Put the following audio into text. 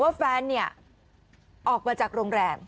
แฟนเนี่ยออกมาจากโรงแรม